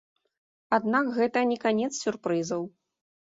Аднак гэта не канец сюрпрызаў.